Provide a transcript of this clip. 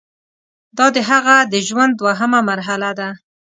دا د هغه د ژوند دوهمه مرحله ده.